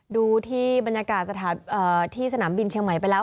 ดูที่บรรยากาศที่สนามบินเชียงใหม่ไปแล้ว